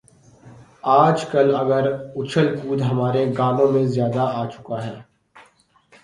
آج کل اگر اچھل کود ہمارے گانوں میں زیادہ آ چکا ہے۔